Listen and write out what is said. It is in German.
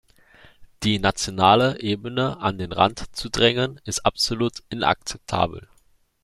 Die nationale Ebene an den Rand zu drängen, ist absolut inakzeptabel.